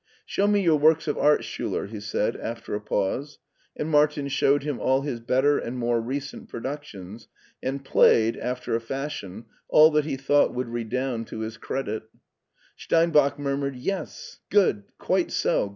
"Show me your works of art, Schuler," he said after a pause, and Martin showed him all his better and more recent productions, and played, after a fashion, all that he thought would redound to his credit Steinbach murmured, "Yes! Good! Quite so